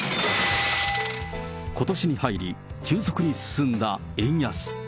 ことしに入り、急速に進んだ円安。